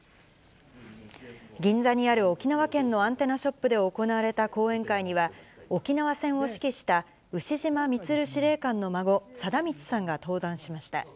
銀座にある沖縄県のアンテナショップで行われた講演会には、沖縄戦を指揮した牛島満司令官の孫、貞満さんが登壇しました。